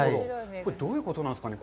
これ、どういうことなんですかね。